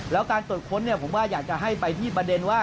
แล้วการตรวจค้นผมว่าอยากจะให้ไปที่ประเด็นว่า